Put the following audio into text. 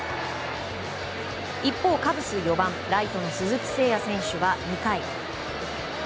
一方、カブス４番ライトの鈴木選手は２回。